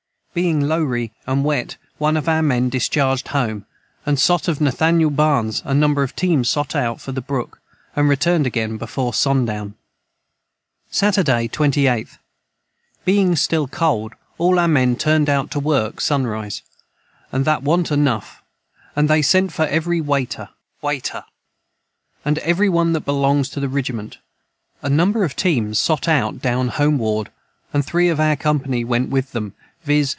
Being lowry & wet one of our men Discharged home & sot of Nathaniel Barnes a number of teams sot out for the Brook & returned again before son down. Saterday 28th. Being stil cold all our men turned out to work son rise & that want a Nuf & they sent for every weighter & every one that belongs to the rigiment a number of teams sot out down Home ward & 3 of our company went with them viz.